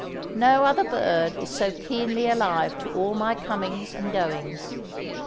No other bird is so keenly alive to all my comings and goings.